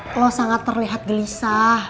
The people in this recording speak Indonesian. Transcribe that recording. lo sangat terlihat gelisah